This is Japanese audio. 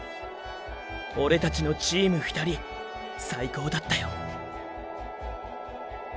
オレたちの“チーム２人”最高だったよ。